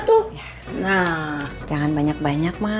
urat dengan bapak